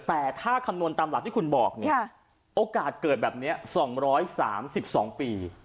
แต่ถ้าคำนวณตามหลักที่คุณบอกเนี่ยโอกาสเกิดแบบนี้๒๓๒ปี